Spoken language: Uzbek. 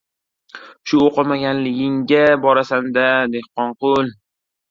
— Shu, o‘qimaganligingga borasan-da, Dehqonqul.